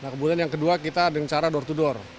nah kemudian yang kedua kita dengan cara door to door